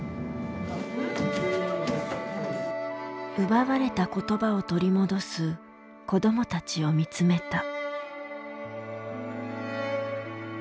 奪われた言葉を取り戻す子どもたちを見つめた。